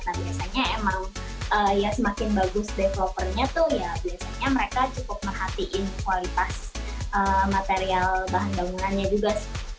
nah biasanya emang ya semakin bagus developernya tuh ya biasanya mereka cukup merhatiin kualitas material bahan bangunannya juga